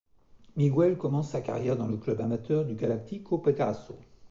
Miguel commence sa carrière dans le club amateur du Galáctico Pegaso.